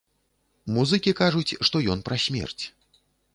Музыкі кажуць, што ён пра смерць.